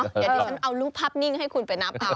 เดี๋ยวดิฉันเอารูปภาพนิ่งให้คุณไปนับเอา